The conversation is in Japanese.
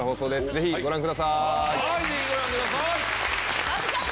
ぜひご覧ください。